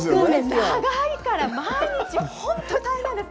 長いから、毎日、本当大変なんです。